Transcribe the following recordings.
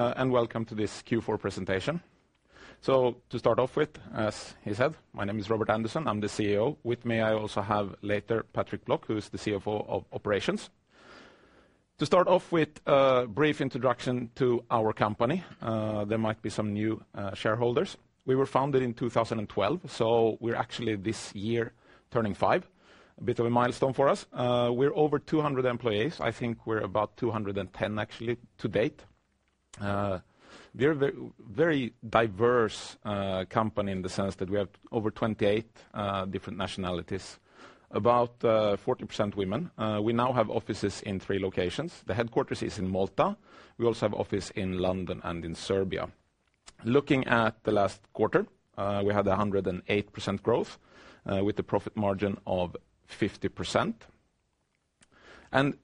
Welcome to this Q4 presentation. To start off with, as he said, my name is Robert Andersson, I'm the CEO. With me, I also have later Patrik Bloch, who is the CFO of Operations. To start off with a brief introduction to our company, there might be some new shareholders. We were founded in 2012, so we're actually this year turning five. A bit of a milestone for us. We're over 200 employees. I think we're about 210 actually to date. We're a very diverse company in the sense that we have over 28 different nationalities, about 40% women. We now have offices in three locations. The headquarters is in Malta. We also have office in London and in Serbia. Looking at the last quarter, we had 108% growth, with a profit margin of 50%.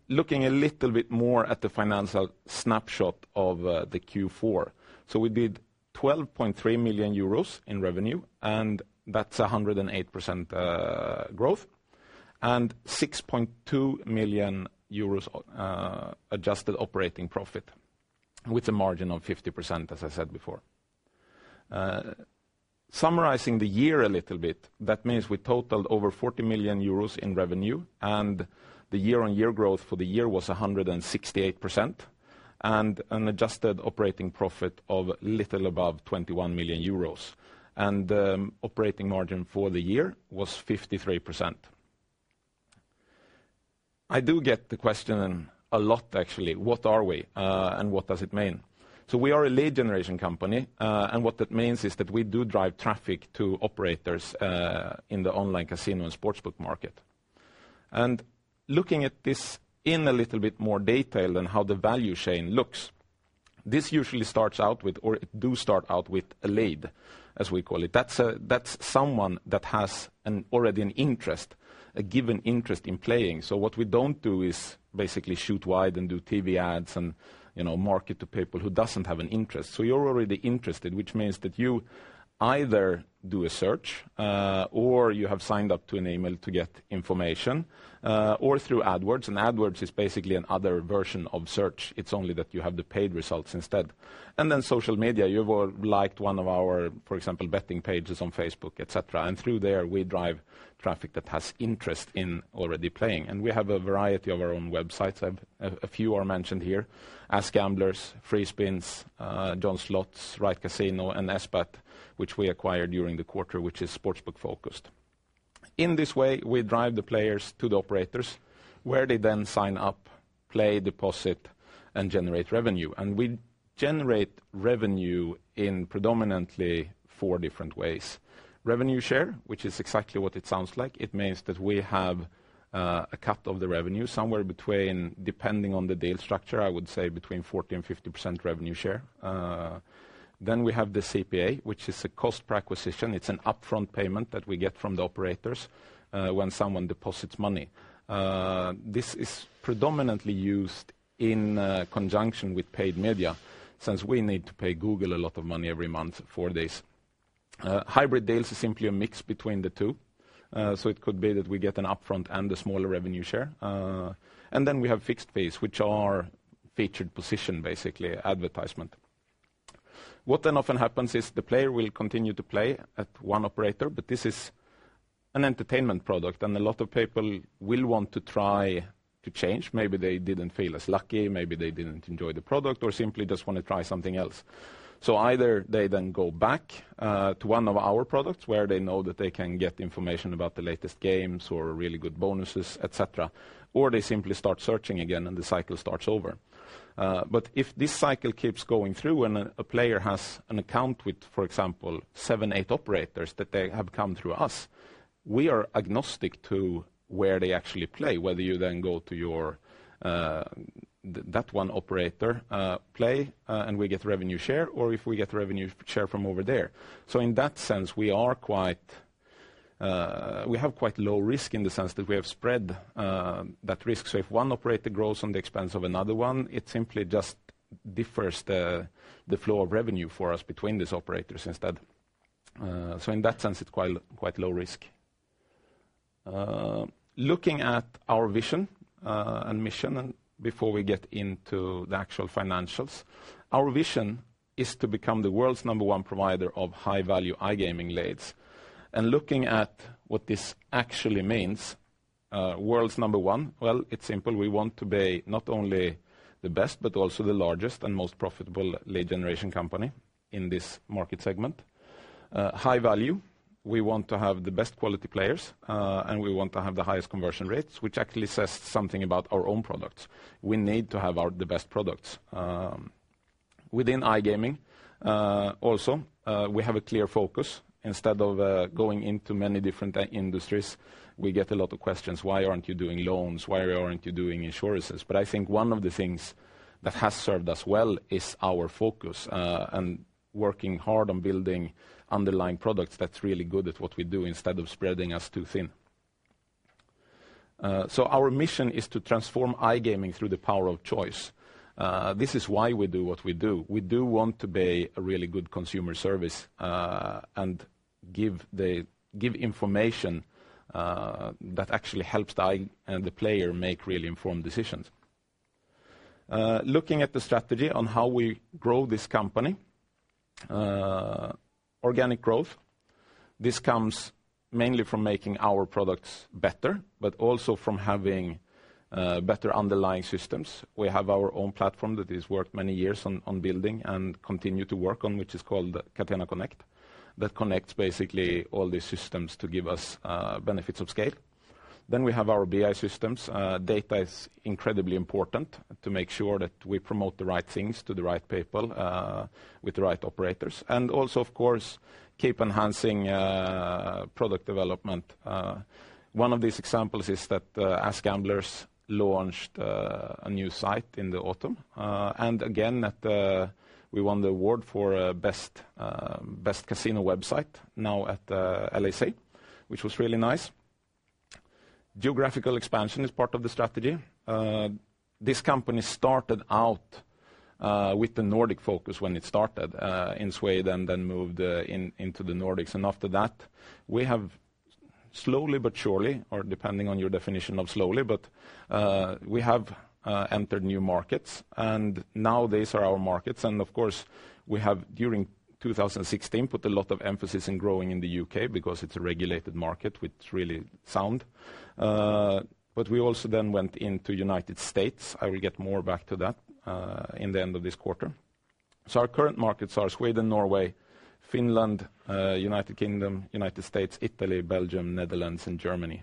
Looking a little bit more at the financial snapshot of the Q4. We did 12.3 million euros in revenue, that's 108% growth, and 6.2 million euros adjusted operating profit with a margin of 50%, as I said before. Summarizing the year a little bit, that means we totaled over 40 million euros in revenue, the year-on-year growth for the year was 168%, and an adjusted operating profit of a little above 21 million euros. The operating margin for the year was 53%. I do get the question a lot, actually, what are we? What does it mean? We are a lead generation company. What that means is that we do drive traffic to operators in the online casino and sportsbook market. Looking at this in a little bit more detail and how the value chain looks, this usually starts out with, or it do start out with a lead, as we call it. That's someone that has an already an interest, a given interest in playing. What we don't do is basically shoot wide and do TV ads and market to people who doesn't have an interest. You're already interested, which means that you either do a search, or you have signed up to an email to get information, or through AdWords. AdWords is basically another version of search. It's only that you have the paid results instead. Then social media, you've all liked one of our, for example, betting pages on Facebook, et cetera. Through there, we drive traffic that has interest in already playing. We have a variety of our own websites. A few are mentioned here, AskGamblers, FreeSpins, JohnSlots, RightCasino, and SBAT, which we acquired during the quarter, which is sportsbook-focused. In this way, we drive the players to the operators, where they then sign up, play, deposit, and generate revenue. We generate revenue in predominantly four different ways. Revenue share, which is exactly what it sounds like. It means that we have a cut of the revenue somewhere between, depending on the deal structure, I would say between 40% and 50% revenue share. We have the CPA, which is a cost per acquisition. It's an upfront payment that we get from the operators, when someone deposits money. This is predominantly used in conjunction with paid media, since we need to pay Google a lot of money every month for this. Hybrid deals is simply a mix between the two. It could be that we get an upfront and a smaller revenue share. Then we have fixed fees, which are featured position, basically advertisement. What often happens is the player will continue to play at one operator, this is an entertainment product, and a lot of people will want to try to change. Maybe they didn't feel as lucky, maybe they didn't enjoy the product, or simply just want to try something else. Either they then go back to one of our products where they know that they can get information about the latest games or really good bonuses, et cetera. They simply start searching again, and the cycle starts over. If this cycle keeps going through and a player has an account with, for example, seven, eight operators that they have come through us, we are agnostic to where they actually play, whether you then go to that one operator, play, and we get revenue share, or if we get revenue share from over there. In that sense, we have quite low risk in the sense that we have spread that risk. If one operator grows on the expense of another one, it simply just defers the flow of revenue for us between these operators instead. In that sense, it's quite low risk. Looking at our vision and mission before we get into the actual financials, our vision is to become the world's number one provider of high-value iGaming leads. Looking at what this actually means, world's number one, well, it's simple. We want to be not only the best, but also the largest and most profitable lead generation company in this market segment. High value, we want to have the best quality players, and we want to have the highest conversion rates, which actually says something about our own products. We need to have the best products. Within iGaming, also, we have a clear focus. Instead of going into many different industries, we get a lot of questions, why aren't you doing loans? Why aren't you doing insurances? I think one of the things that has served us well is our focus, and working hard on building underlying products that's really good at what we do instead of spreading us too thin. Our mission is to transform iGaming through the power of choice. This is why we do what we do. We do want to be a really good consumer service, and give information that actually helps the player make really informed decisions. Looking at the strategy on how we grow this company. Organic growth, this comes mainly from making our products better, but also from having better underlying systems. We have our own platform that is worth many years on building and continue to work on, which is called Catena Connect, that connects basically all the systems to give us benefits of scale. Then we have our BI systems. Data is incredibly important to make sure that we promote the right things to the right people with the right operators, and also, of course, keep enhancing product development. One of these examples is that AskGamblers launched a new site in the autumn. Again, we won the award for best casino website now at LAC, which was really nice. Geographical expansion is part of the strategy. This company started out with the Nordic focus when it started in Sweden, then moved into the Nordics. After that, we have slowly but surely, or depending on your definition of slowly, we have entered new markets, and now these are our markets. Of course, we have, during 2016, put a lot of emphasis in growing in the U.K. because it's a regulated market with really sound. We also then went into United States. I will get more back to that in the end of this quarter. Our current markets are Sweden, Norway, Finland, United Kingdom, United States, Italy, Belgium, Netherlands, and Germany.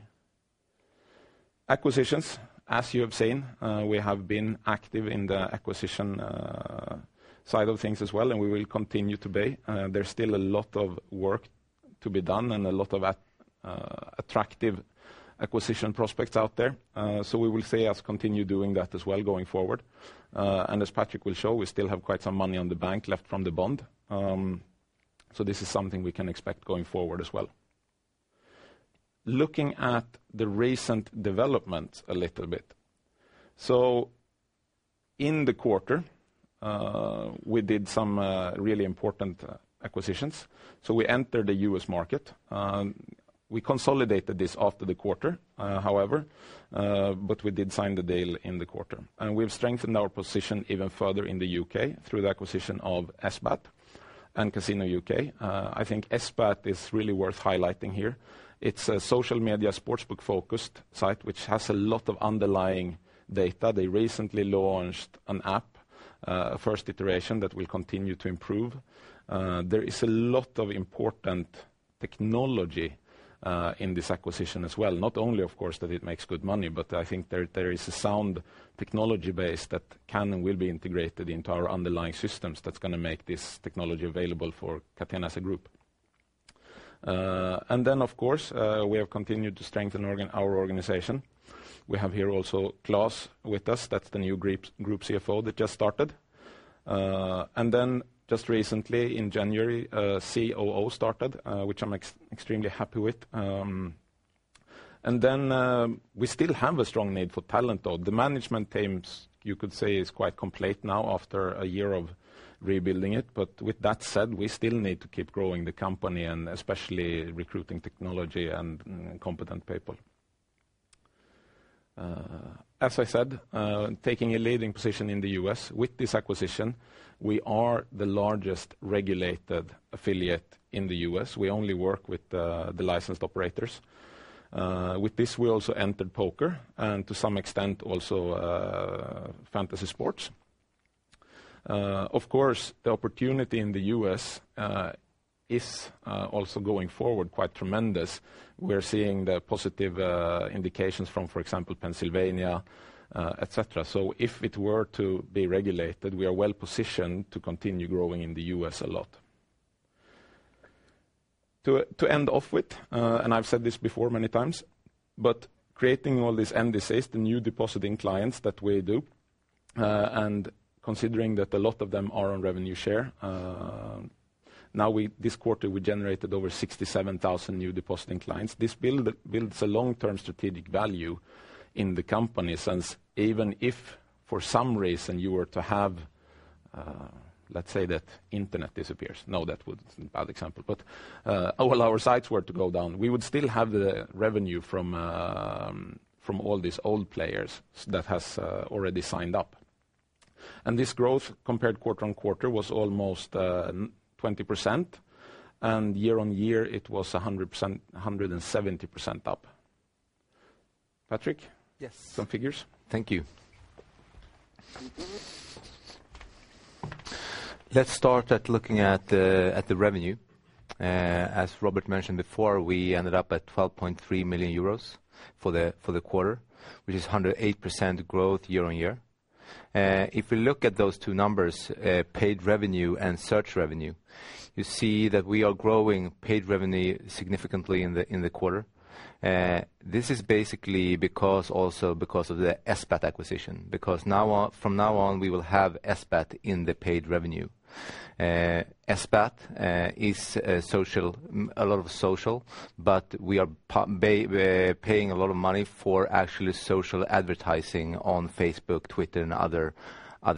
Acquisitions, as you have seen, we have been active in the acquisition side of things as well, and we will continue to be. There's still a lot of work to be done and a lot of attractive acquisition prospects out there. We will see us continue doing that as well going forward. As Patrik will show, we still have quite some money on the bank left from the bond. This is something we can expect going forward as well. Looking at the recent development a little bit. In the quarter, we did some really important acquisitions. We entered the U.S. market. We consolidated this after the quarter, however, but we did sign the deal in the quarter. We've strengthened our position even further in the U.K. through the acquisition of SBAT and casinouk.com. I think SBAT is really worth highlighting here. It's a social media sportsbook-focused site which has a lot of underlying data. They recently launched an app, first iteration that we continue to improve. There is a lot of important technology in this acquisition as well. Not only, of course, that it makes good money, but I think there is a sound technology base that can and will be integrated into our underlying systems that's going to make this technology available for Catena as a group. Of course, we have continued to strengthen our organization. We have here also Claes with us. That's the new Group CFO that just started. Just recently in January, a COO started, which I'm extremely happy with. We still have a strong need for talent, though. The management team, you could say, is quite complete now after a year of rebuilding it. With that said, we still need to keep growing the company and especially recruiting technology and competent people. As I said, taking a leading position in the U.S. with this acquisition, we are the largest regulated affiliate in the U.S. We only work with the licensed operators. With this, we also entered poker and to some extent, also fantasy sports. Of course, the opportunity in the U.S. is also going forward quite tremendous. We are seeing the positive indications from, for example, Pennsylvania, et cetera. If it were to be regulated, we are well-positioned to continue growing in the U.S. a lot. To end off with, I've said this before many times, but creating all these NDCs, the new depositing clients that we do, and considering that a lot of them are on revenue share, now this quarter, we generated over 67,000 new depositing clients. This builds a long-term strategic value in the company since even if for some reason you were to have, let's say that internet disappears. No, that would bad example. All our sites were to go down, we would still have the revenue from all these old players that has already signed up. This growth compared quarter-on-quarter was almost 20%, and year-on-year, it was 170% up. Patrik? Yes. Some figures? Thank you. Let's start at looking at the revenue. As Robert mentioned before, we ended up at 12.3 million euros for the quarter, which is 108% growth year-on-year. If we look at those two numbers, paid revenue and search revenue, you see that we are growing paid revenue significantly in the quarter. This is basically because also because of the SBAT acquisition, because from now on, we will have SBAT in the paid revenue. SBAT is a lot of social, but we are paying a lot of money for actually social advertising on Facebook, Twitter, and other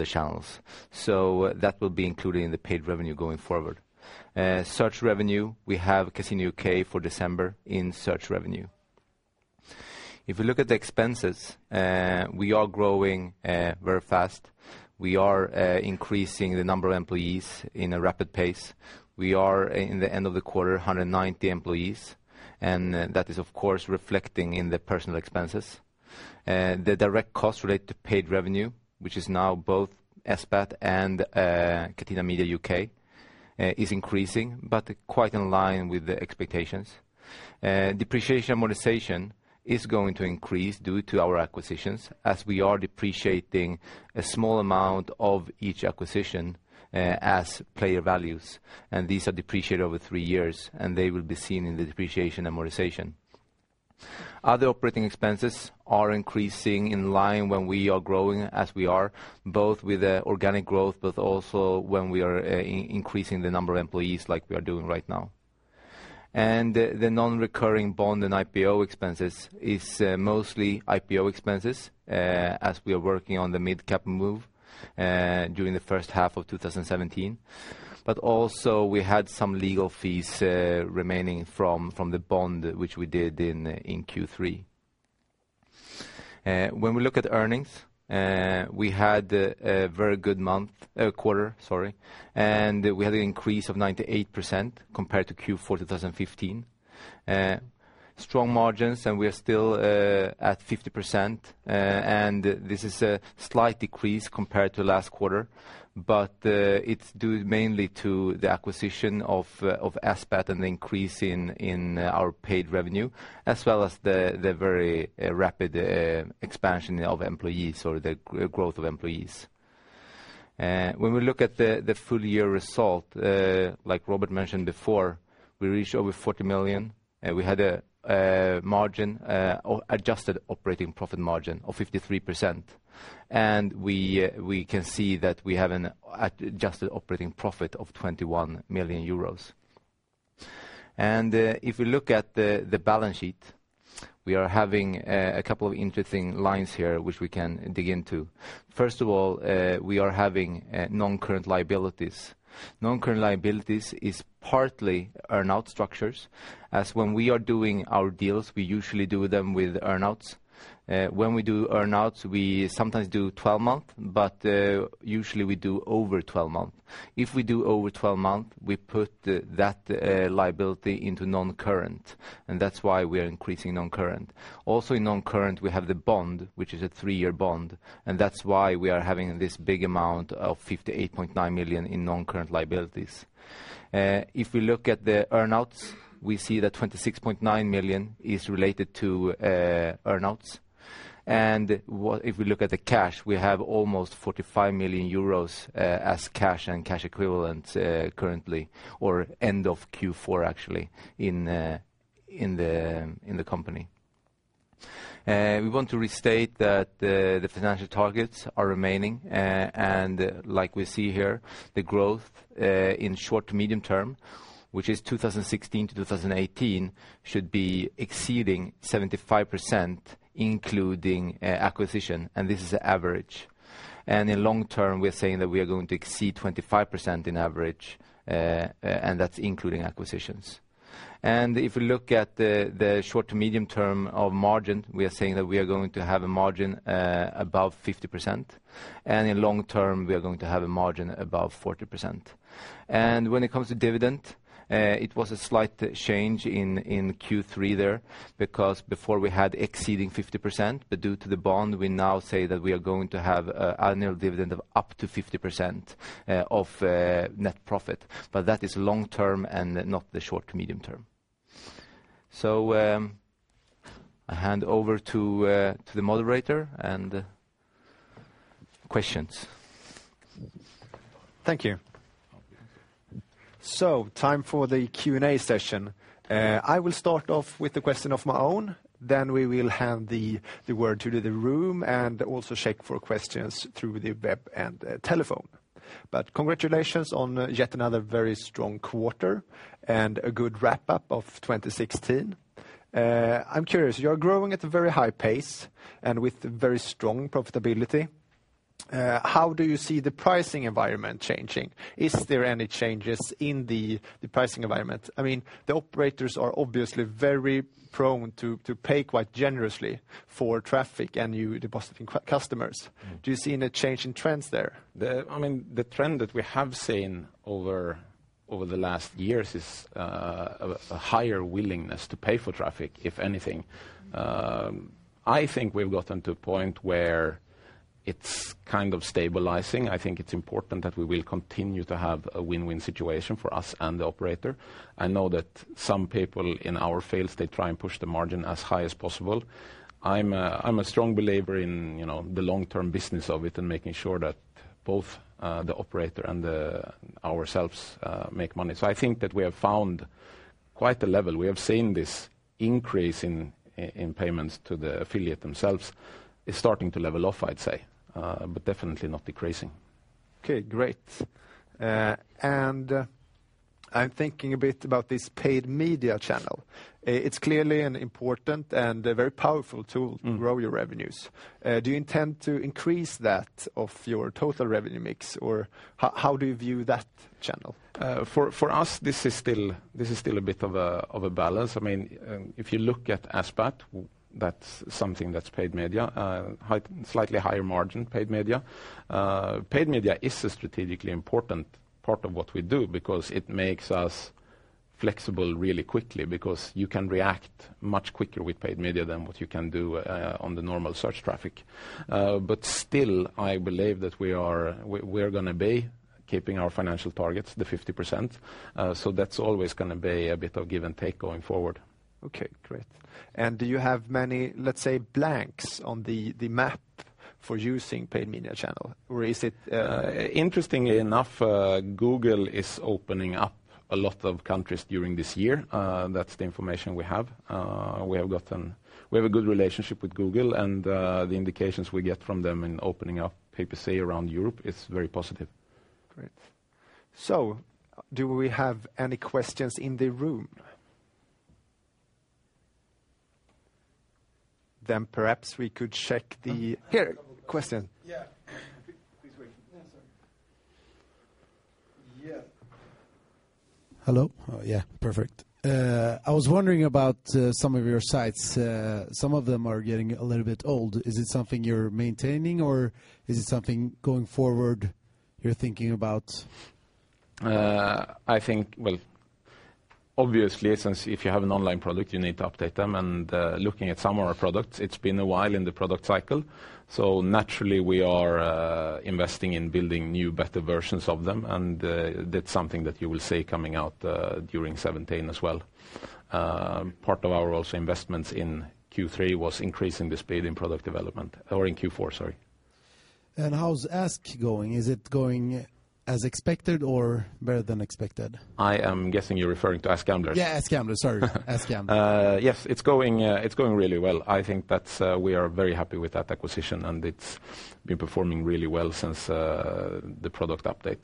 channels. That will be included in the paid revenue going forward. Search revenue, we have CasinoUK for December in search revenue. If you look at the expenses, we are growing very fast. We are increasing the number of employees in a rapid pace. We are, in the end of the quarter, 190 employees, and that is of course reflecting in the personal expenses. The direct cost related to paid revenue, which is now both SBAT and Catena Media UK, is increasing, but quite in line with the expectations. Depreciation and amortization is going to increase due to our acquisitions, as we are depreciating a small amount of each acquisition as player values, and these are depreciated over three years, and they will be seen in the depreciation and amortization. Other operating expenses are increasing in line when we are growing as we are, both with the organic growth, but also when we are increasing the number of employees like we are doing right now. The non-recurring bond and IPO expenses is mostly IPO expenses, as we are working on the mid-cap move during the first half of 2017. Also we had some legal fees remaining from the bond which we did in Q3. We look at earnings, we had a very good quarter, we had an increase of 98% compared to Q4 2015. Strong margins, we are still at 50%, and this is a slight decrease compared to last quarter. It's due mainly to the acquisition of SBAT and the increase in our paid revenue, as well as the very rapid expansion of employees or the growth of employees. We look at the full year result, like Robert mentioned before, we reached over 40 million. We had an adjusted operating profit margin of 53%. We can see that we have an adjusted operating profit of 21 million euros. If we look at the balance sheet, we are having a couple of interesting lines here which we can dig into. First of all, we are having non-current liabilities. Non-current liabilities is partly earnout structures, as when we are doing our deals, we usually do them with earnouts. When we do earnouts, we sometimes do 12-month, but usually we do over 12-month. If we do over 12-month, we put that liability into non-current, and that's why we are increasing non-current. Also in non-current, we have the bond, which is a three-year bond, and that's why we are having this big amount of 58.9 million in non-current liabilities. If we look at the earnouts, we see that 26.9 million is related to earnouts. If we look at the cash, we have almost 45 million euros as cash and cash equivalents currently, or end of Q4 actually, in the company. We want to restate that the financial targets are remaining, like we see here, the growth in short to medium term, which is 2016 to 2018, should be exceeding 75%, including acquisition, and this is average. In long term, we are saying that we are going to exceed 25% in average, and that's including acquisitions. If we look at the short to medium term of margin, we are saying that we are going to have a margin above 50%, and in long term, we are going to have a margin above 40%. When it comes to dividend, it was a slight change in Q3 there, because before we had exceeding 50%, but due to the bond, we now say that we are going to have annual dividend of up to 50% of net profit. That is long term and not the short to medium term. I hand over to the moderator and questions. Thank you. Time for the Q&A session. I will start off with a question of my own, then we will hand the word to the room and also check for questions through the web and telephone. Congratulations on yet another very strong quarter and a good wrap-up of 2016. I'm curious, you're growing at a very high pace and with very strong profitability. How do you see the pricing environment changing? Is there any changes in the pricing environment? The operators are obviously very prone to pay quite generously for traffic and New Depositing Customers. Do you see any change in trends there? The trend that we have seen over the last years is a higher willingness to pay for traffic, if anything. I think we've gotten to a point where it's kind of stabilizing. I think it's important that we will continue to have a win-win situation for us and the operator. I know that some people in our fields, they try and push the margin as high as possible. I'm a strong believer in the long-term business of it and making sure that both the operator and ourselves make money. I think that we have found quite a level. We have seen this increase in payments to the affiliate themselves is starting to level off, I'd say, but definitely not decreasing. Okay, great. I'm thinking a bit about this paid media channel. It's clearly an important and a very powerful tool to grow your revenues. Do you intend to increase that of your total revenue mix, or how do you view that channel? For us, this is still a bit of a balance. If you look at SBAT, that's something that's paid media, slightly higher margin paid media. Paid media is a strategically important part of what we do because it makes us flexible really quickly, because you can react much quicker with paid media than what you can do on the normal search traffic. Still, I believe that we're going to be keeping our financial targets, the 50%. That's always going to be a bit of give and take going forward. Okay, great. Do you have many, let's say, blanks on the map for using paid media channel? Interestingly enough, Google is opening up a lot of countries during this year. That's the information we have. We have a good relationship with Google, and the indications we get from them in opening up PPC around Europe is very positive. Great. Do we have any questions in the room? Perhaps we could check. Here, question. Yeah. Please wait. Yeah, sorry. Yeah. Hello? Yeah, perfect. I was wondering about some of your sites. Some of them are getting a little bit old. Is it something you're maintaining, or is it something going forward you're thinking about? I think, obviously, since if you have an online product, you need to update them. Looking at some of our products, it's been a while in the product cycle. Naturally, we are investing in building new, better versions of them. That's something that you will see coming out during 2017 as well. Part of our also investments in Q3 was increasing the speed in product development, or in Q4, sorry. How's Ask going? Is it going as expected or better than expected? I am guessing you're referring to AskGamblers. Yeah, AskGamblers. Sorry. AskGamblers. Yes, it's going really well. I think that we are very happy with that acquisition. It's been performing really well since the product update.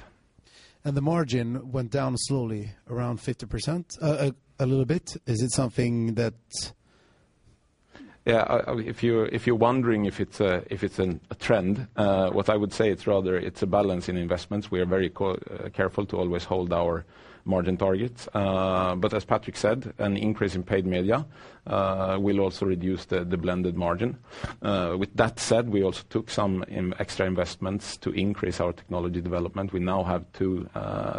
The margin went down slowly, around 50%, a little bit. Is it something that Yeah, if you're wondering if it's a trend, what I would say it's rather, it's a balance in investments. We are very careful to always hold our margin targets. As Patrik said, an increase in paid media will also reduce the blended margin. With that said, we also took some extra investments to increase our technology development. We now have two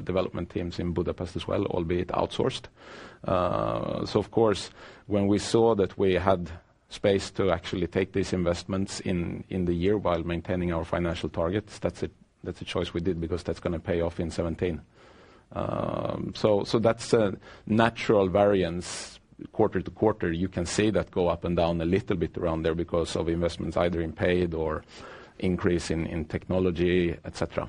development teams in Budapest as well, albeit outsourced. Of course, when we saw that we had space to actually take these investments in the year while maintaining our financial targets, that's a choice we did because that's going to pay off in 2017. That's a natural variance quarter-to-quarter. You can see that go up and down a little bit around there because of investments either in paid or increase in technology, et cetera.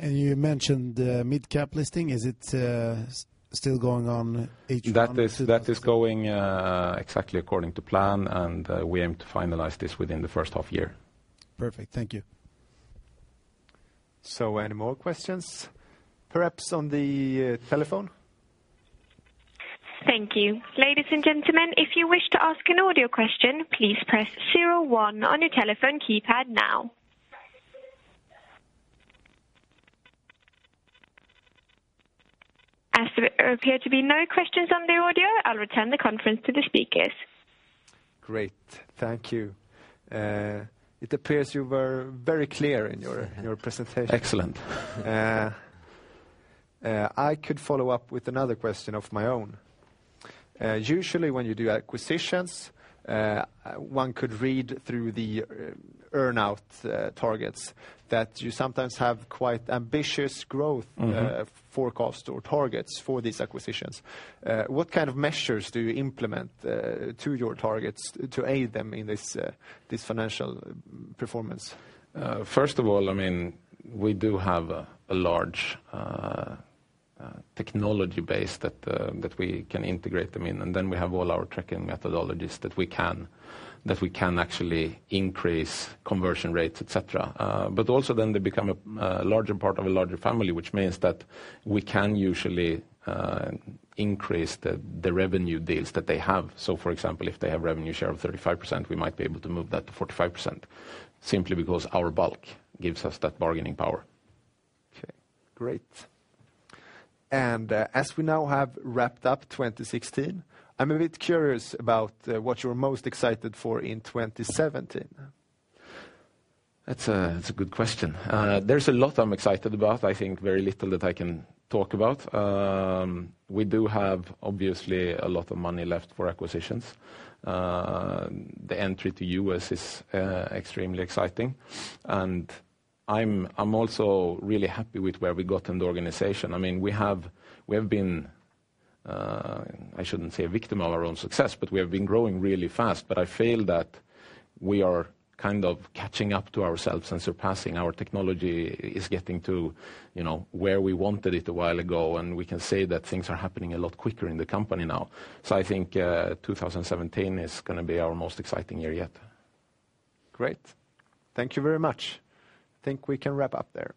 You mentioned mid-cap listing. Is it still going on H1? That is going exactly according to plan, and we aim to finalize this within the first half year. Perfect. Thank you. Any more questions, perhaps on the telephone? Thank you. Ladies and gentlemen, if you wish to ask an audio question, please press 01 on your telephone keypad now. As there appear to be no questions on the audio, I'll return the conference to the speakers. Great. Thank you. It appears you were very clear in your presentation. Excellent. I could follow up with another question of my own. Usually, when you do acquisitions, one could read through the earn-out targets that you sometimes have quite ambitious growth forecasts or targets for these acquisitions. What kind of measures do you implement to your targets to aid them in this financial performance? First of all, we do have a large technology base that we can integrate them in, and then we have all our tracking methodologies that we can actually increase conversion rates, et cetera. Also then they become a larger part of a larger family, which means that we can usually increase the revenue deals that they have. For example, if they have revenue share of 35%, we might be able to move that to 45%, simply because our bulk gives us that bargaining power. Okay, great. As we now have wrapped up 2016, I'm a bit curious about what you're most excited for in 2017. That's a good question. There's a lot I'm excited about, I think very little that I can talk about. We do have, obviously, a lot of money left for acquisitions. The entry to U.S. is extremely exciting. I'm also really happy with where we got in the organization. We have been, I shouldn't say a victim of our own success, we have been growing really fast, I feel that we are kind of catching up to ourselves and surpassing. Our technology is getting to where we wanted it a while ago. We can say that things are happening a lot quicker in the company now. I think 2017 is going to be our most exciting year yet. Great. Thank you very much. I think we can wrap up there.